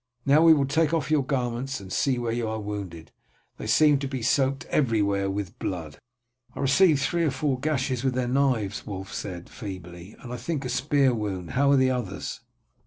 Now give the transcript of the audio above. Now we will take off your garments and see where you are wounded. They seem to be soaked everywhere with blood." "I received three or four gashes with their knives," Wulf said feebly, "and I think a spear wound. How are the others?"